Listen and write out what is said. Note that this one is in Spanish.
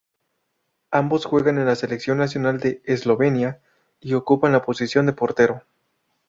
Ambos juegan en la Selección nacional de Eslovenia y ocupan la posición de portero.